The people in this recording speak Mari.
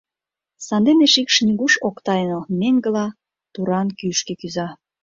Сандене шикш нигуш ок тайныл, меҥгыла туран кӱшкӧ кӱза.